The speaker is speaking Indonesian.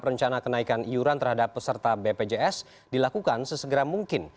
rencana kenaikan iuran terhadap peserta bpjs dilakukan sesegera mungkin